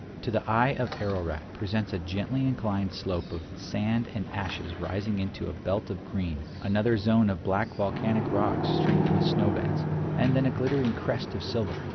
To the eye Ararat presents a gently inclined slope of sand and ashes rising into a belt of green, another zone of black volcanic rocks streaked with snow beds, and then a glittering crest of silver.